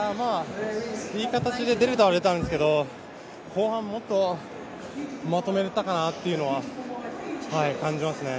いい形で出ることはできたんですけど、後半もっとまとめれたかなというのは感じますね。